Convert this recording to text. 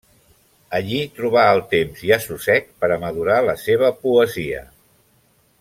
Allí troba el temps i assossec per a madurar la seva poesia.